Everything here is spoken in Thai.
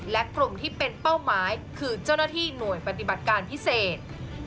และกลุ่มที่เป็นเป้าหมายคือเจ้าหน้าที่หน่วยปฏิบัติการพิเศษ